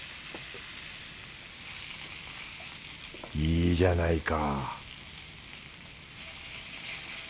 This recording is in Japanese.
いいじゃないか